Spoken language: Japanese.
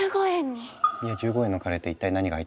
いや１５円のカレーって一体何が入ってるのかな？